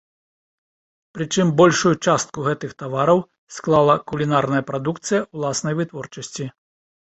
Прычым большую частку гэтых тавараў склала кулінарная прадукцыя ўласнай вытворчасці.